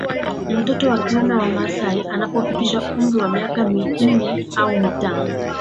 Mtoto wa kiume wa maasai anapofikisha umri wa miaka minne au mitano